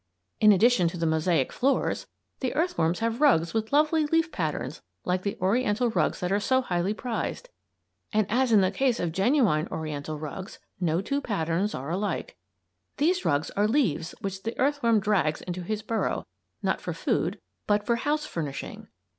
In addition to the mosaic floors the earthworms have rugs with lovely leaf patterns like the Oriental rugs that are so highly prized; and, as in the case of genuine Oriental rugs, no two patterns are alike. These rugs are leaves which the earthworm drags into his burrow, not for food but for house furnishing.